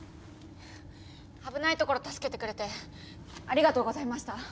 危ないところ助けてくれてありがとうございました。